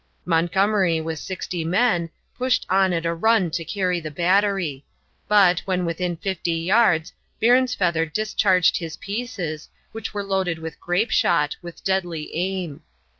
Montgomery, with 60 men, pushed on at a run to carry the battery; but, when within fifty yards Bairnsfeather discharged his pieces, which were loaded with grape shot, with deadly aim.